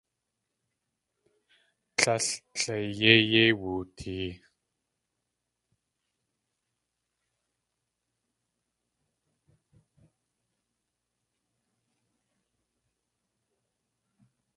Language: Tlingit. Tlél tleiyéi yéi wutee.